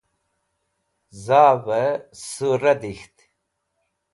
zav'ey surra dikht